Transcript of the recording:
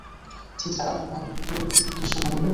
ঠিক স্যার, আপনার মায়ের মৃত্যুর দৃশ্য মনে পরবে।